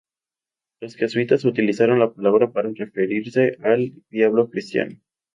Los jesuitas utilizaron la palabra para referirse al diablo cristiano.